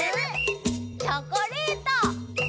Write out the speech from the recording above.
チョコレート！